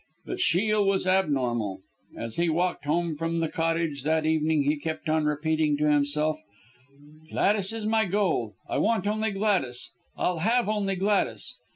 But Shiel was abnormal. As he walked home from the Cottage that evening he kept on repeating to himself "Gladys is my goal. I want only Gladys. I'll have only Gladys."